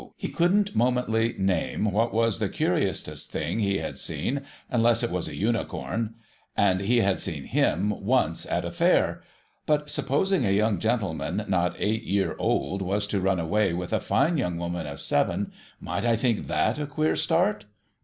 He couldn't momently name what was the curiousest thing he had seen, — unless it was a Unicorn,^ — and he see /lim once at a Fair. But supposing a young gentleman not eight year old was to run away with a fine young woman of seven, might I think f/iat a queer start?